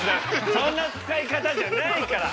そんな使い方じゃないから！